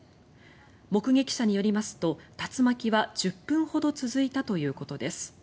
目撃者によりますと竜巻は１０分ほど続いたということです。